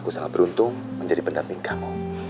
saat menghampiri penolakanmu